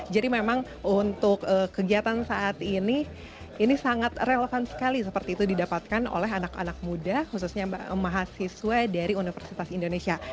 memang untuk kegiatan saat ini ini sangat relevan sekali seperti itu didapatkan oleh anak anak muda khususnya mahasiswa dari universitas indonesia